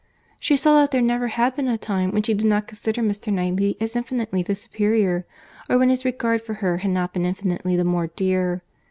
—She saw that there never had been a time when she did not consider Mr. Knightley as infinitely the superior, or when his regard for her had not been infinitely the most dear.